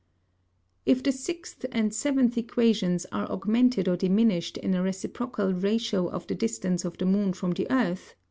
If the sixth and seventh Equations are augmented or diminished in a reciprocal Ratio of the distance of the Moon from the Earth; _i.